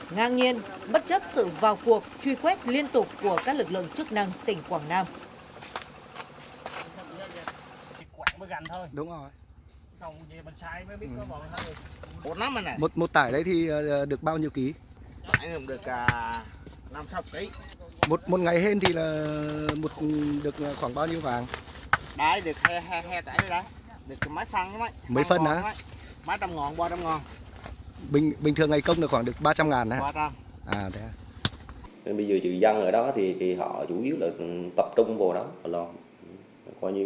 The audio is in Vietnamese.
ngang nhiên bất chấp sự vào cuộc truy quét liên tục của các lực lượng công ty bằng bồng mưu